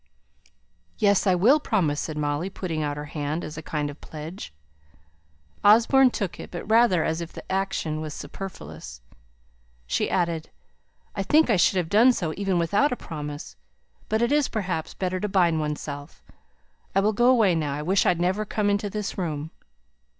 "Yes; I will promise," said Molly, putting out her hand as a kind of pledge. Osborne took it, but rather as if the action was superfluous. She added, "I think I should have done so, even without a promise. But it is, perhaps, better to bind oneself. I will go away now. I wish I'd never come into this room."